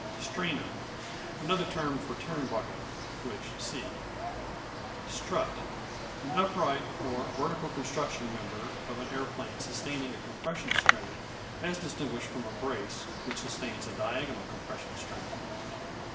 Strainer Another term for Turnbuckle which see. Strut An upright, or vertical, construction member of an aeroplane sustaining a compression strain; as distinguished from a brace which sustains a diagonal compression strain.